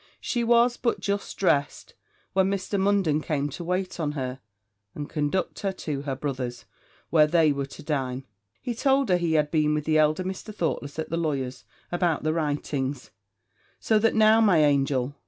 She was but just dressed when Mr. Munden came to wait on her, and conduct her to her brother's, where they were to dine: he told her he had been with the elder Mr. Thoughtless at the lawyer's, about the writings; 'So that now, my angel!'